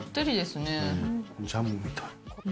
ジャムみたい。